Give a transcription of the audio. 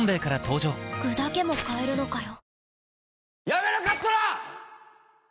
具だけも買えるのかよ